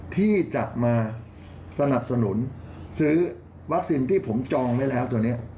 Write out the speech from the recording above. ที่จะมาสนับสนุนซื้อวัคซีนที่ผมจองไว้แล้วตัวนี้